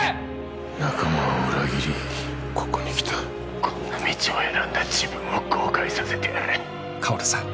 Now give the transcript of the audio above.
仲間を裏切りここに来たこんな道を選んだ自分を後悔させてやる薫さん